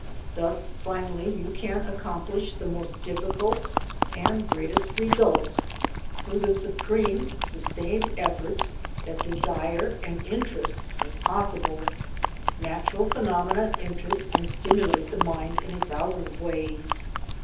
Thus finally you accomplish the most difficult and greatest results through the supreme, sustained efforts that desire and interest make possible. Natural phenomena interest and stimulate the mind in a thousand ways.